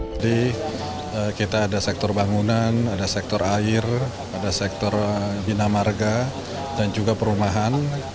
jadi kita ada sektor bangunan ada sektor air ada sektor dinamarga dan juga perumahan